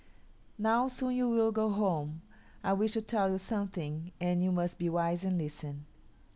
"Now, soon you will go home. I wish to tell you something and you must be wise and listen.